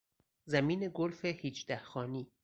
زمین گلف هیجده خانی